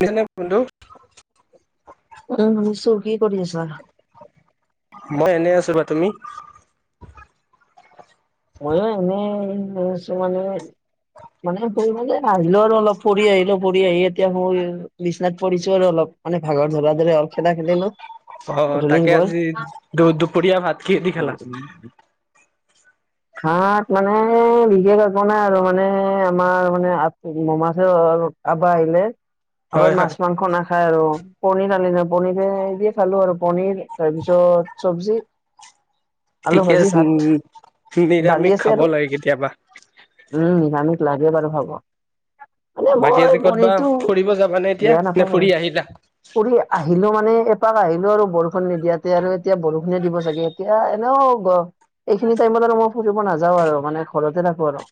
যেনে বন্ধু উম শুনিছো কি কৰি [unintelligible] আছা? মই এনে আছোঁ [unintelligible] তুমি? ময়ো এনেই আছোঁ মানে মানে ফুৰি মানে আহিলো আৰু অলপ, ফুৰি আহিলোঁ, ফুৰি আহি এতিয়া মই বিছনাত পৰিছিলোঁ আৰু অলপ। মানে ভাগৰ ধৰা দিলে [unintelligible] অ', তাকে আজি দু-দুপৰীয়া ভাত কিহেদি খালা? উম [unintelligible] ভাত মানে বিশেষ একো নাই আৰু, মানে আমাৰ মানে মাছে [unintelligible] আবা আহিলে, আবাই হয় মাছ হয়, মাংস নাখা খাই আৰু, পনিৰ আনিলে, পনিৰ দিয়ে খালোঁ আৰু। পনিৰ, তাৰপিছত চবজি। [unintelligible] ঠিকেই আছে। উম, দালি নিৰামিষ আছে খাব আৰু লাগে কেতিয়াবা। উম, নিৰামিষ লাগে বাৰু খাব। মানে বাকী মই আজি ক'তবা পনিৰটো, ফুৰিব যাবানে এতিয়া? বেয়া নে নাপাওঁ বাৰু। ফুৰি আহিলা? ফুৰি আহিলোঁ মানে, এপাক আহিলোঁ আৰু বৰষুণ নিদিয়াতে আৰু, এতিয়া বৰষুণে দিব চাগৈ। এতিয়া এনেও গ সিখিনি টাইমত আৰু মই ফুৰিব নাযাওঁ আৰু, মানে ঘৰতেই থাকো আৰু।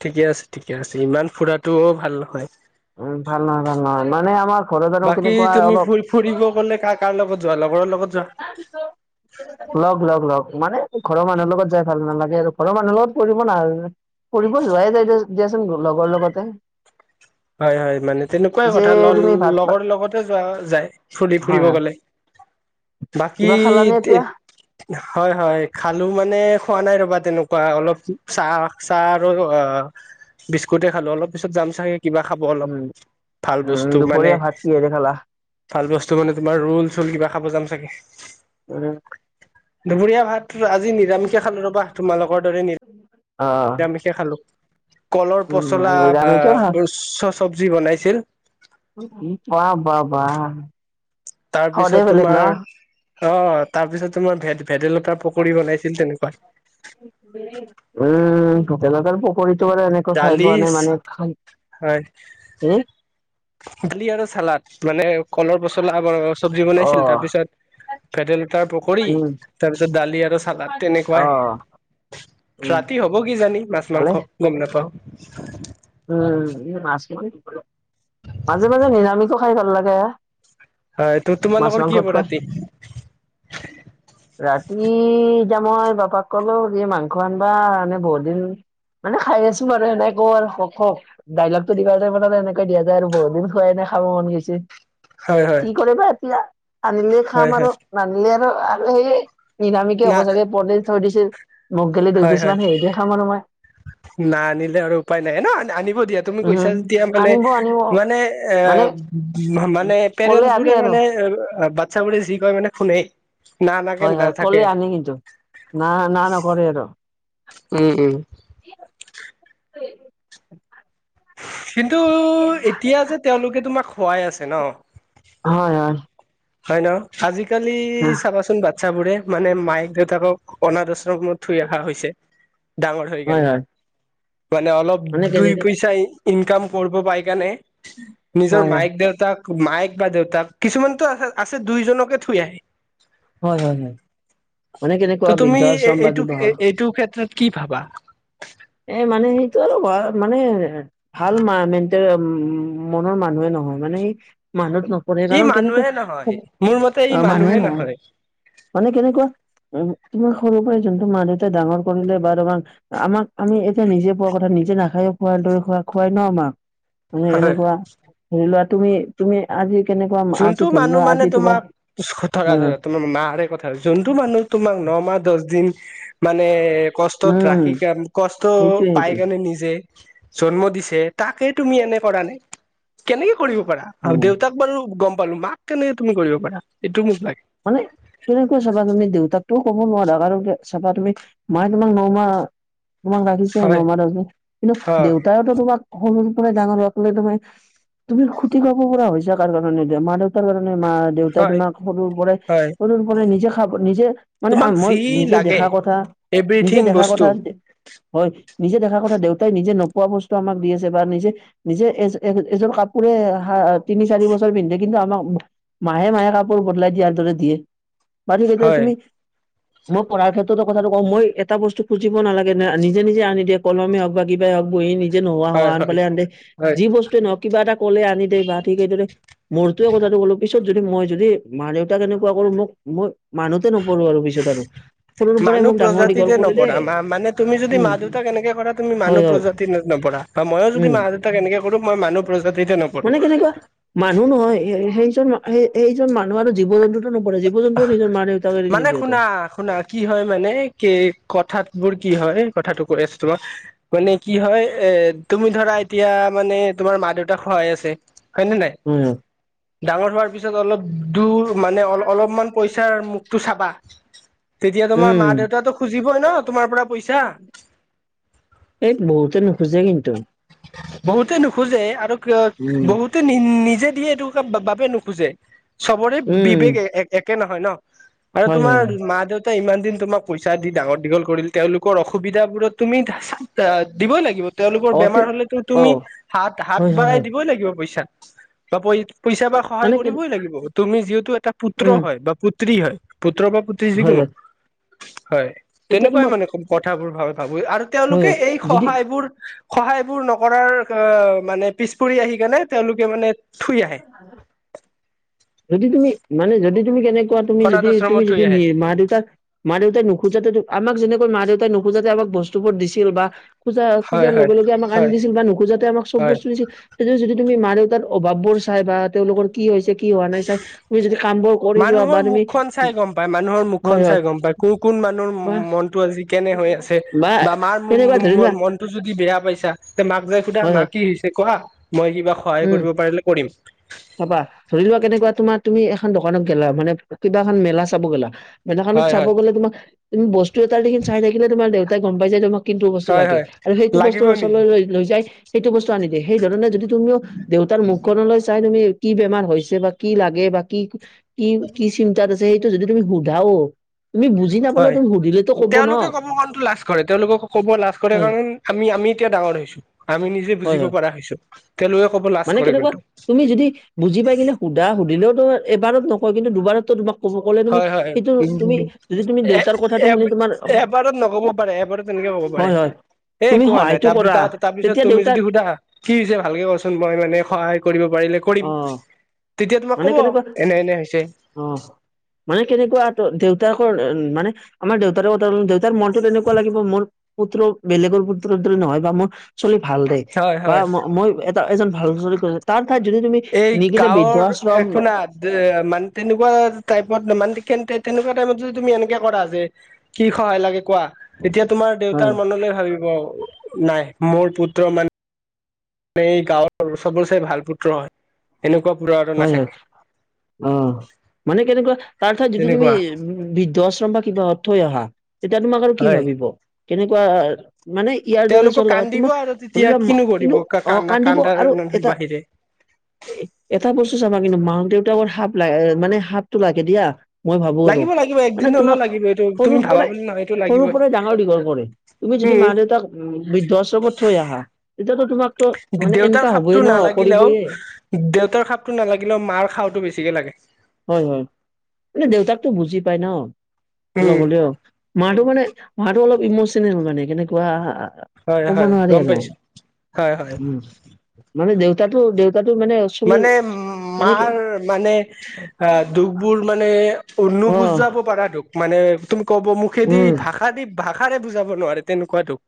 ঠিকেই আছে, ঠিকেই আছে, ইমান ফুৰাটোও ভাল নহয়। উম, ভাল নহয় ভাল নহয়, মানে আমাৰ ঘৰত আৰু কেনেকুৱা অলপ ফুৰিব গ'লে কাৰ কাৰ লগত যোৱা? লগৰৰ লগত যোৱা? [unintelligible] লগ লগ লগ, মানে ঘৰৰ মানুহৰ লগত যাই ভাল নালাগে আৰু, ঘৰৰ মানুহৰ লগত ফুৰিব নাযাও। ফুৰিব যোৱাই যায় দিয়াচোন, লগৰ লগতেই। হয় হয়, মানে তেনেকুৱাই যে কথা, তুমি ভাত লগৰ লগতে যোৱা যায়, ফুৰি ফুৰিব গ'লে। উ। বাকী হয় হয়, খালোঁ মানে খোৱা নাই ৰ'বা তেনেকুৱা, অলপ চাহ চাহ আৰু অ' বিস্কুটেই খালোঁ, অলপ পিছত যাম চাগৈ। কিবা খাব অলপ, উম ভাল উম বস্তু মানে দুপৰীয়া ভাত কিহেৰে খালা ভাল বস্তু মানে, তোমাৰ ৰোল চোল কিবা খাব যাম চাগে। উম। দুপৰীয়া ভাত আজি নিৰামিষে খালো ৰবা তোমালোকৰ দৰে নিৰামিষ, আহ নিৰামিষে, খালো। কলৰ পচলা বা নিৰামিষে ভাত এই চ চবজি বনাইছিল বা বা বাহ। সদে তাৰপিছত বেলেগ ন তোমাৰ অ তাৰপিছত তোমাৰ ভেদ ভেদাইলতাৰ, পকীৰি বনাইছিল তেনেকুৱা উম ভেদাইলতাৰ পকৰীটো এনে খাই দালি পোৱা নাই মানে হয় উমহ দালি, আৰু চালাদ, মানে কলৰ, পচলাৰ, চব্জি, অ বনাইছিল। তাৰপিছত ভেদাইলতাৰ, পকৰী, উম তাৰ পিছত দালি, আৰু চালাদ, অ তেনেকুৱাই উম ৰাতি হ'ব কি জানি মাছ ভালে মাংস, গম নাপাও। উম মাছ, মাংস, মাজে মাজে নিৰামিষো খাই ভাল লাগে! হা হয় ত মাছ, তোমালোকৰ কি হ'ব মাংসতকৈ ৰাতি ৰাতি এতিয়া মই বাবাক কলো এই মাংস, আনিবা এনে বহুতদিন- মানে খাই আছো। আৰু সেনেকুৱা আৰু হক- কওক ডাইলগটো দিবা যায় মানে এনেকে দিবা যায় আৰু বহুত দিন খুৱাই নাই খাব মন গৈছে। হয় হয় কি কৰে বা এতিয়া আনিলে হয় খাম হয় আৰু নানিলে আৰু আৰু সেইয়ে- নিৰামিষে, না হবচাগে পনিৰ চেনিৰ থৈ দিছে মোক গেলি দুই হয় পিছ হয় মান হেৰি দিয়ে খাম আৰু মই না আনিলে আৰু উপায় নাই ন আনিব দিয়া তুমি কৈছা উম যেতিয়া মানে আনিব আনিব মানে এ মানে মানে কলে পেৰেন্টচ আনে বোৰে মানে আৰু বাট ইচ্ছা কৰিলে যি কয় মানে কামেই। হয় হয় কলে আনে কিন্তু না না নকৰে আৰু উম উম কিন্তু এতিয়া যে তেওঁলোকে তোমাক খোৱাই আছে ন। হয় হয়। হয় ন আজিকালি চাবাচোন বাত বাচ্ছাবোৰে, মানে মায়েক দেউতাকক অনাদ, আশ্ৰমত থৈ অহা হৈছে। ডাঙৰ হৈ হয় কেনে হয় মানে অলপ মানে দুই কেনেকে পইচা ইনকাম কৰিব পাই কেণে নিজৰ হয় হয় মায়েক- দেউতাক মায়েক বা দেউতাক কিছুমানতো আছে দুইজনকে থৈ আহে। হয় হয় হয়। মানে কেনেকুৱা ত তুমি বৃদ্ধ আশ্ৰম বা এইটো কিবা হয় এইটো ক্ষেত্ৰত কি ভাবা এ মানে সেই টো অলপ হয় মানে। ভাল মা মেণ্টেল মনৰ মানুহে নহয়। মানে সি মানুহত নপৰে মই ই নেজানো কেনেকই মানুহে নহয় মোৰ মতে ই মানুহে নহয়। মানে কেনেকুৱা তোমাৰ সৰুৰ পৰাই যোনটো মা, দেউতাই, ডাঙৰ কৰিলে বা তোমাক আমাক আমি এতিয়া নিজে পোৱা কথা নিজে নাখায়ো খুৱাই দৰে খুৱাই- খুৱাই ন আমাক মানে হয় এনেকুৱা ধৰি লোৱা তুমি -তুমি আজি কেনেকুৱা যোনটো আজি ধৰি মানুহ লোৱা মানে আজি তোমাৰ তোমাক ধৰা হুম ধৰা মাৰে, কথা যোনটো মানুহ তোমাক নমাহ দহ দিন। মানে কষ্টত উম, ৰাখি কাৰ কষ্ট সেইটোয়ে পাই সেইটোয়ে কাৰণে নিজে জন্ম দিছে। তাকে তুমি এনে কৰা নাই কেনেকে কৰিব পাৰা আৰু উম, দেউতাক বাৰু গম পালো মাক কেনেকে তুমি কৰিব পাৰা এইটোও মোক, লাগে। মানে কেনেকৈ চাবা তুমি দেউতাকো ক'ব নোৱাৰা আৰু চাবা তুমি মায়ে তোমাক ন, মাহ তোমাক ৰাখিছে হয় ন মাহ দচদিন কিন্তু অ দেউতাইতো তোমাক সৰুৰ পৰাই ডাঙৰ হোৱাকলৈ তোমাক তুমি খুতি খাব পৰা হৈছা কাৰ কাৰণে এতিয়া মা- দেউতাৰ কাৰণে মা দেউতাই হয় তোমাক সৰুৰ পৰাই হয় সৰুৰ পৰাই নিজে খাব নিজে মানে তোমাক মই যি নিজে লাগে দেখা কথা, নিজে এভৰিথিং দেখা বস্তু কথা হয় নিজে দেখাৰ কথা দেউতাই নিজে নোপোৱা বস্তু আমাক দি আছে বা নিজে নিজে এ এ এযোৰ কাপোৰে তিনি চাৰি বছৰ পিন্ধে কিন্তু আমাক মাহে মাহে কাপোৰ বদলাই দিয়াৰ দৰে দিয়ে, পাৰিবা নে হয় তুমি মই পঢ়াৰ ক্ষেত্ৰতো কথাটো কওঁ মই এটা বস্তু খুজিব নালাগে ন নিজে নিজে আনি দিয়ক কলমে হওঁক বা কিবা হওঁক বহি নিজে নোহোৱা হ হয় আন হয় পালে আনে হয় যি বস্তুৱে নহক কিবা এটা ক'লে আনি দে বা ঠিক সেইদৰে মোৰতোৱে কথাটো ক'লো পিছত যদি মই যদি মা -দেউতা এ [unintelligible] কেনেকুৱা কৰো মোক মই মানুহ নপৰো আৰু পিছত আৰু সৰু পৰাই মানুহ মোক ডাঙৰ প্ৰজাতিতে দীঘল কৰিলে নপৰা মা মানে তুমি যদি মা উম দেউতাক এনেকে কৰা তুমি মানুহ হয় হয় প্ৰজাতি ন নপঢ়া বা মইয়ো যদি উম মা- দেউতাক এনেকে কৰোঁ মই মানুহ প্ৰজাতিতে নপৰোঁ। মানে কেনেকুৱা মানুহ নহয় সেইজন সেইজন মানুহ আৰু জীৱ জন্তু নপৰে জীৱ -জন্তু নিজৰ মা- দেউতাক এৰি নিদিয়ে তো। অ শুনা কি হয় মানে কি কথাত বোৰ কি হয় কথাটো কৈ আছো তোমাক মানে কি হয় এ তুমি ধৰা এতিয়া মানে তোমাৰ মা -দেউতাক সহায় আছে। হয় নে নাই। উম! ডাঙৰ হোৱাৰ পিছত অলপ দূৰ মানে অ অলপমান পইচাৰ মুখটো চাবা। তেতিয়া তোমাৰ উম মা-দেউতাটো খুজিবই ন তোমাৰ পৰা পইচা। এই বহুতে নোখোজে কিন্তু। বহুতে নোখোজে আৰু কিয় উম বহুত টো নিজে দিয়ে এইটো বাবে নোখোজে চবৰে উম বিবেক এ একে নহয় ন আৰু হয় হয় তোমাৰ হয়। মা -দেউতা ইমান দিন তোমাক পইচা দি ডাঙৰ- দীঘল কৰিল তেওঁলোকৰ অসুবিধা বোৰত তুমি দিবই লাগিব। তেওঁলোকৰ অ তে বেমাৰ হ'লেতো অ তুমি হাত হাত হয় হয় বঢ়াই হয় দিব দিবই লাগিব পইচা, বা পইছা মানে সহায় কে কৰিবই লাগিব তুমি যিহেতু এটা পুত্ৰ উম হয়, বা পুত্ৰী হয়, পুত্ৰ বা পুত্ৰী হয় যিকোনো হয় হয়। তেতিয়া তেনেকুৱাই তোমাক মানে কথাবোৰ ভ ভাবো আৰু হয় তেওঁলোকে হয় এই যদি সহায় বোৰ সহায় বোৰ নকৰাৰ অ মানে পিছ পৰি আহি কিনে তেওঁলোকে মানে থৈ আহে। যদি তুমি মানে যদি তুমি কেনেকে কোৱা তুমি অনাথ যদি তুমি আশ্ৰমত থৈ যদি নি আহে মা দেউতাক। মা -দেউতাই নোখোজাতে আমাক যেনেকৈ মা দেউতাই নোখোজাতে আমাক বস্তুবোৰ দিছিল বা। খোজা হয় খোজাৰ হয় লগে লগে আমাক আনি হয় দিছিল বা নোখোজাতে আমাক চব হয় বস্তু দিছিল। তে যদি তুমি মা দেউতাৰ তাৰ অভাৱ বোৰ চাই বা তেওঁলোকৰ তুমি যদি কাম বোৰ কৰি যোৱা বা মানুহৰ তুমি মুখখন চাই গম পায়, মানুহৰ হয় মুখখন হয় চাই গম পায়। কোন কোন মানুহৰ বা মনটো আজি কেনে হৈ আছে বা মাৰ তেনেকুৱা ধৰি লোৱা মনটো যদি বেয়া পাইছা। তে মাক যাই সুধা হয় হয় মাক কি হৈছে কোৱা মই কিবা সহায় উম কৰিব পাৰিলে কৰিম। চাবা ধৰি লোৱা কেনেকুৱা তোমাৰ তুমি এখন দোকানত গেলা মানে কিবা এখন মেলা চাব গেলা। মেলাখনত হয় চাব হয় গ'লে তোমাক তুমি বস্তু এটা দেখি চাই থাকিলে তোমাৰ দেউতাই গম পাই যায় তোমাক কিন্তু বস্তু হয় লাগে হয় আৰু সেইটো বস্তুৰ লাগিব ওচৰলৈ নেকি লৈ লৈ যায়। সেইটো বস্তু আনি দিয়ে সেই ধৰণে যদি তুমিও দেউতাৰ মুখখনলৈ চা চাই তুমি কি বেমাৰ হৈছে বা কি লাগে বা কি কি কি চিন্তাত আছে সেইটো যদি তুমি সুধাও, তুমি বুজি নাপালে হয় তুমি সুধিলে তেওঁলোকে ক'ব গলেতো লাজ কৰে, তেওঁলোকে ক'ব লাজ কৰে হয় কাৰণেতো আমি আমি এতিয়া ডাঙৰ হৈছো। আমি নিজে হয় বুজিব হয় পৰা হৈছো, তেওঁলোকে কব লাজ মানে কৰে কেনেকুৱা কিন্তু। তুমি যদি বুজি পাই কিনে সুধা সুধিলেও তোমাৰ এবাৰত নকয় কিন্তু দুবাৰতো তোমাক কব ক'লে তুমি হয় হয় সেইটো তুমি উম যদি তুমি এ দেউতাৰ কথাটো এ শুনি তোমাৰ হ এবাৰত নক'ব পাৰে এবাৰত তেনেকে হ'ব পাৰে, এই একো হোৱা নাই তাৰপি কৰা তাৰ তাৰপিছত তেতিয়া তুমি দেউতাৰ যদি সুধা কি হৈছে ভালকে কচোন মই মানে সহায় কৰিব পাৰিলে কৰিম। অ তেতিয়া তোমাক কব, এনে এনে হৈছে। অহ মানে কেনেকুৱা ত দেউতাকৰ অন মানে আমাৰ দেউতাৰ কথাৰ দেউ তাৰ মনতো তেনেকুৱা লাগিব, মোৰ পুত্ৰ বেলেগৰ পুত্ৰৰ দৰে নহয় বা মোৰ ছোৱালী ভাল দে। হয় বা হয় ম মই এটা এজন ভাল হচৰি কৈছো তাৰ ঠাইত যদি তুমি নিকিনে বৃদ্ধ আচ একো না আ দে মানে তেনেকুৱা টাইপত মানে কেনতে তেনেকুৱা টাইপত যদি তুমি এনেকে কৰা যে কি সহায় লাগে কোৱা? এতিয়া তোমাৰ হয় দেউতাৰ মনলৈ ভাবিব নাই, মোৰ পুত্ৰ মান নে এই গাঁৱৰ চবৰচে ভাল পুত্ৰ হয়। এনেকুৱা পুত্ৰ আৰু হয় হয়, নাথাকে অ মানে কেনেকুৱা তাৰ ঠাইত যদি তুমি তেনেকুৱা উম বৃদ্ধ আশ্ৰম বা কিবা থৈ আহা তেতিয়া তোমাক আৰু কি হয় ভাবিব কেনেকুৱা মানে ইয়াৰ দৰে তেওঁলোকক চল কান্দিব তোমাৰ আৰু ধৰি তেতিয়া লোৱা মা কিনো কৰিব কিন্তু অ কান্দা কান্দিব কান্দাৰ আৰু এটা বাহিৰে এ এটা বস্তু চাবা কিন্তু মা - দেউতাকৰ হাপ লা মানে হাপটো লাগে দিয়া। মই ভাবো আৰু লাগিব লাগিব মানে একদিন হলেও তোমাক লাগিব এইটো তুমি সৰুৰ ভাবা পৰাই বুলি নহয় এইটো সৰুৰ লাগিবই পৰাই ডাঙৰ - দীঘল কৰে। তুমি যদি উম মা - দেউতাক উম বৃদ্ধ আশ্ৰমত থৈ আহা তেতিয়াতো তোমাকতো মানে দেউতাৰ এনেকা খাপটো হবয়ে ন নালাগিলেও কৰিবয়ে। দেউতাৰ সাঁপটো নালাগিলেও মাৰ সাওঁটো বেছিকে লাগে। হয় হয়, এনে দেউতাকটো বুজি পাই ন অলপ উম হলেও। মাটো মানে মাটো অলপ ইমোচনেল মানে কেনেকুৱা হয় ক'ব হয় নোৱাৰি গম আৰু পাইছো হয় হয় উম মানে দেউতাটো দেউতাটো মানে চু মানে উম মাৰ মানে আহ দুখবোৰ মানে অ নুবুজাব পাৰা ধোক মানে তুমি কব মুখেদি উম ভাষা দি ভাষাৰে বুজাব নোৱাৰে তেনেকুৱা দূখ।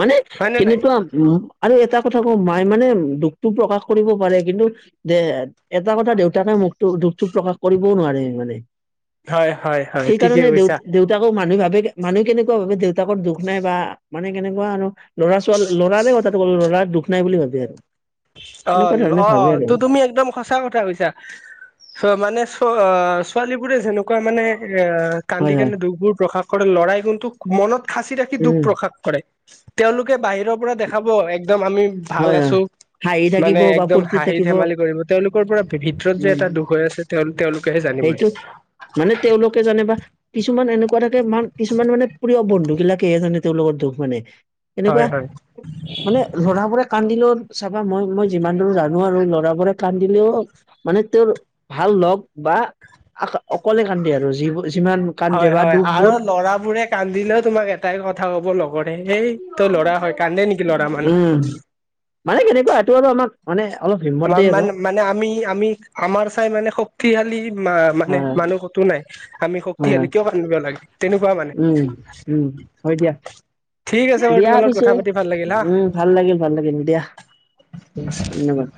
মানে হয় নে নাই কিনেকুৱা উম আৰু এটা কথা কওঁ মায়ে মানে দুখটো প্ৰকাশ কৰিব পাৰে কিন্তু দে এটা কথা দেউতাকে মুখটো দুখটো প্ৰকাশ কৰিবও নোৱাৰে মানে। হয় হয় হয়, ঠিকে কৈছা। ত আকৌ মানুহ ভাবে মানুহ কেনেকুৱা ভাবে দেউতাকৰ দুখ নাই বা মানে কেনেকুৱা আৰু ল'ৰা - ছোৱালী, ল'ৰাৰে কথাটো ক'লো ল'ৰাৰ দুখ নাই বুলি ভাবে আৰু। এনেকুৱা অল, ধৰণে অ ভাবে আৰু ত তুমি একদম সচা কথা কৈছা, চ মানে চ আ ছোৱালীবোৰে যেনো কুৱা মানে ৰা হয় কান্দি - হয় কান্দি দুখবোৰ প্ৰকাশ কৰে, লৰাই কিন্তু মনত খাচি ৰাখি দুখ উম প্ৰকাশ কৰে, তেওঁলোকে বাহিৰৰ পৰা দেখাব একদম আমি ভাল হয় হয় আছো হাঁহি থাকিব মানে বা একদম ফূৰ্তি হাঁহি - থাকিব ধেমালি কৰিব, তেওঁলোকৰ পৰা ভি ভিতৰত যে এটা উম দুখ হৈ আছে তেওঁ তেওঁলোকেহে জানিব সেইটো দিয়ে। মানে তেওঁলোকে জানে বা কিছুমান এনেকুৱা থাকে মানে কিছুমান মানে প্ৰিয় বন্ধুবিলাকেহে জানে তেওঁলোকৰ দুখ মানে এনেকুৱা হয় হয় মানে লৰাবোৰে কান্দিলেও চাবা মই মই যিমান দূৰ জানো আৰু লৰাবোৰে কান্দিলেও মানে তেওঁৰ ভাল লগ বা আকা অকলে কান্দে আৰু যিবোৰ যিমান কান্দে হয় বা হয় দুখবোৰ। তাই কথা ক'ব লগৰে, এই তই লৰা হয় কান্দে নেকি ল'ৰা মানুহ। উম মানে কেনেকুৱা এইটো আৰু আমাক মানে অলপ হিমত আমাৰ দেয়ে মান আৰু। মানে আমি আমি আমাৰ চাই মানে শক্তিশালী মানে হয় মানুহ কতো নাই। আমি হয় শক্তিশালী হয় কিয় কান্দিব লাগে তেনেকুৱা মানে। উম উম হয় দিয়া ঠিক আছে বাৰু দিয়া তোমাৰ লগত পিছে কথা পাতি ভাল লাগিল হা। উম ভাল লাগিল ভাল লাগিল দিয়া ধন্যবাদ [unintelligible]